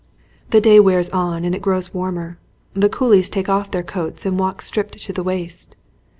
The day wears on and it grows warmer. The coolies take off their coats and walk stripped to the waist.